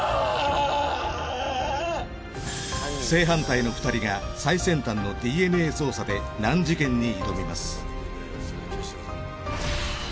正反対の２人が最先端のＤＮＡ捜査で難事件に挑みます。